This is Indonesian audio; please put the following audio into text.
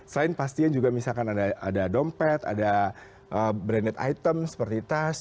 selain pastinya juga misalkan ada dompet ada branded item seperti tas